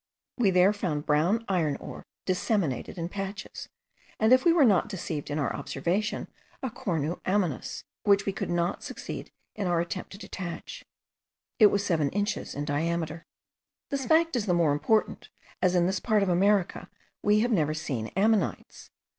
We there found brown iron ore disseminated in patches, and if we were not deceived in our observation, a Cornu ammonis, which we could not succeed in our attempt to detach. It was seven inches in diameter. This fact is the more important, as in this part of America we have never seen ammonites.